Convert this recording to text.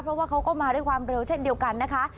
เพราะว่าเขาก็มาด้วยความเร็วเช่นเดียวกันนะคะ